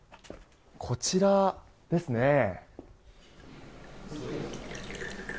こちらですね。